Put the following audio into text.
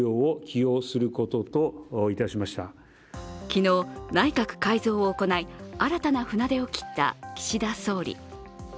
昨日、内閣改造を行い、新たな船出を切った岸田総理。